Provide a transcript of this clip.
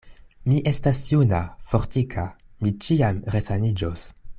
Mi estas juna, fortika; mi ĉiam resaniĝos.